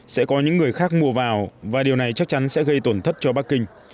sẽ có những người khác mua vào và điều này chắc chắn sẽ gây tổn thất cho bắc kinh